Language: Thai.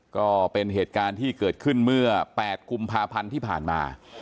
ก็เป็นเหตุการณ์ที่เกิดขึ้นเมื่อ๘กุมภาพันธ์ที่ผ่านมา